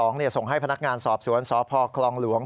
ส่งให้พนักงานสอบสวนสพคลองหลวง